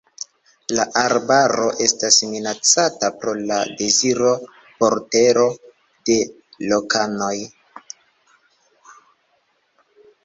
La arbaro estas minacata pro la deziro por tero de lokanoj.